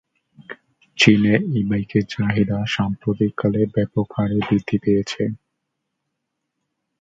চীনে ই-বাইকের চাহিদা সাম্প্রতিককালে ব্যাপকহারে বৃদ্ধি পেয়েছে।